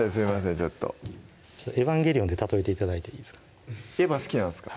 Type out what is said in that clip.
ちょっとエヴァンゲリオンで例えて頂いていいでエヴァ好きなんですか？